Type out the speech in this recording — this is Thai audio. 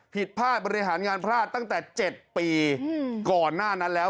ผิดพลาดบริหารงานพลาดตั้งแต่๗ปีก่อนหน้านั้นแล้ว